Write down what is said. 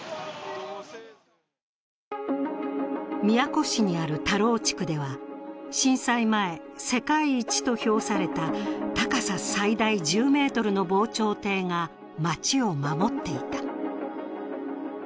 宮古市にある田老地区では震災前、世界一と評された高さ最大１０ｍの防潮堤が町を守っていた。